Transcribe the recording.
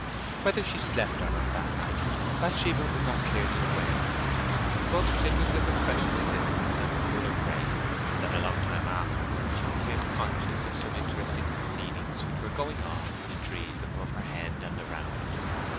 Whether she slept or not that night Bathsheba was not clearly aware. But it was with a freshened existence and a cooler brain that, a long time afterwards, she became conscious of some interesting proceedings which were going on in the trees above her head and around.